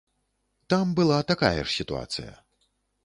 Там была такая ж сітуацыя.